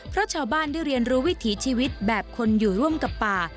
เพราะชาวบ้านได้เรียนรู้วิถีชีวิตแบบคนอยู่ร่วมกับป่า